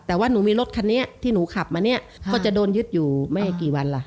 แต่ว่าหนูมีรถคันนี้ที่หนูขับมาเนี่ยก็จะโดนยึดอยู่ไม่กี่วันล่ะ